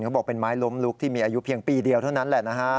เขาบอกเป็นไม้ล้มลุกที่มีอายุเพียงปีเดียวเท่านั้นแหละนะฮะ